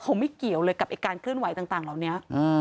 เขาไม่เกี่ยวเลยกับไอ้การเคลื่อนไหวต่างเหล่านี้